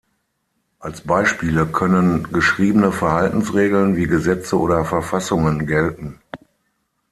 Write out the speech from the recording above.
Als Beispiele können geschriebene Verhaltensregeln wie Gesetze oder Verfassungen gelten.